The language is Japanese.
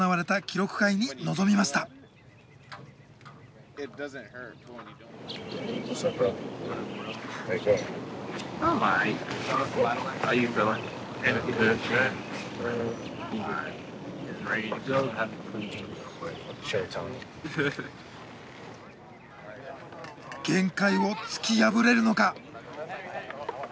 限界を突き破れるのか。